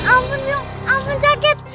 alpun yuk alpun sakit